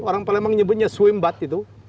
orang palembang nyebutnya swim bath gitu